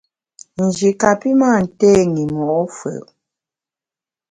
Nji kapi mâ nté i mo’ fù’.